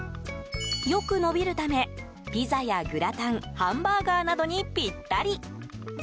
よく伸びるため、ピザやグラタンハンバーガーなどにピッタリ。